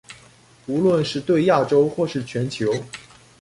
無論是對亞洲或是全球